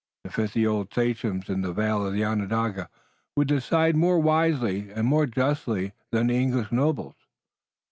The fifty old sachems in the vale of Onondaga would decide more wisely and more justly than the English nobles.